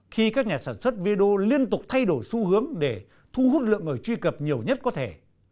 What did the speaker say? khi các nhà sản xuất video liên tục thay đổi xu hướng để thu hút lượng người truy cập nhiều nhất có thể